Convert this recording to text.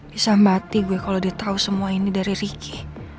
bisa mbati gue kalo dia tau semua ini dari ricky